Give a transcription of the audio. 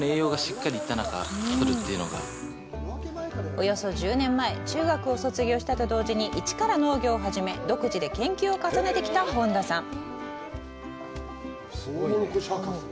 およそ１０年前中学を卒業したと同時に一から農業を始め独自で研究を重ねてきた本田さん